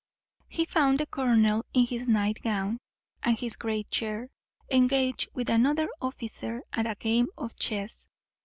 He found the colonel in his night gown, and his great chair, engaged with another officer at a game of chess.